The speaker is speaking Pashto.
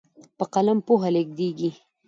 په قلم پوهه لیږدېږي.